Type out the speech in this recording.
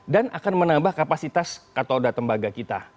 dan akan menambah kapasitas katauda tembaga kita